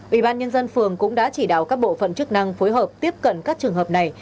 ubnd phường cũng đã chỉ đạo các bộ phận chức năng phối hợp tiếp cận các trường hợp này